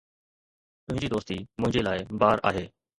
تنهنجي دوستي مون لاءِ بار آهي